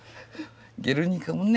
「ゲルニカ」もね